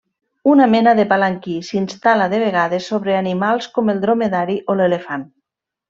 Una mena de palanquí s'instal·la de vegades sobre animals com el dromedari o l'elefant.